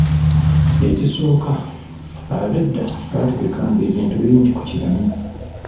Ekisooka, abedda baaterekanga ebintu bingi ku kibanyi.